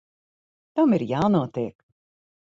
Tam ir jānotiek.